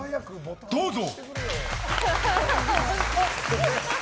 どうぞ。